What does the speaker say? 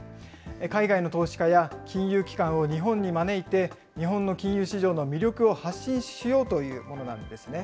海外の投資家や金融機関を日本に招いて、日本の金融市場の魅力を発信しようというものなんですね。